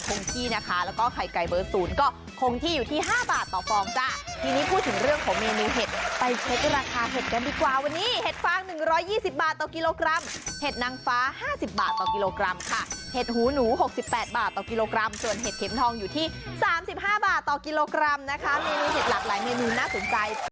คงที่นะคะแล้วก็ไข่ไก่เบอร์ศูนย์ก็คงที่อยู่ที่ห้าบาทต่อฟองจ้ะทีนี้พูดถึงเรื่องของเมนูเห็ดไปเช็คราคาเห็ดกันดีกว่าวันนี้เห็ดฟาง๑๒๐บาทต่อกิโลกรัมเห็ดนางฟ้า๕๐บาทต่อกิโลกรัมค่ะเห็ดหูหนู๖๘บาทต่อกิโลกรัมส่วนเห็ดเข็มทองอยู่ที่สามสิบห้าบาทต่อกิโลกรัมนะคะเมนูเห็ดหลากหลายเมนูน่าสนใจ